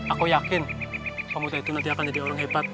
aku yakin pemuda itu nanti akan jadi orang hebat